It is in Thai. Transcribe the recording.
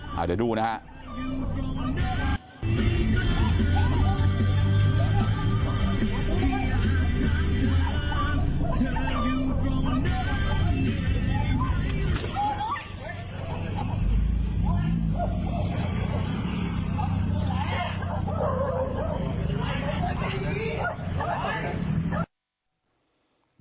เราจะดูนะฮะ